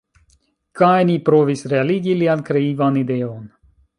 Kaj ni provis realigi lian kreivan ideon.